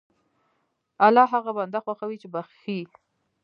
الله هغه بنده خوښوي چې بخښي.